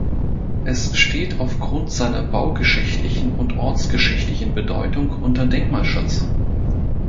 Es steht aufgrund seiner baugeschichtlichen und ortsgeschichtlichen Bedeutung unter Denkmalschutz.